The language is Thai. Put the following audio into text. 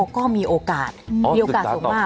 ก็มีโอกาสมีโอกาสสูงมาก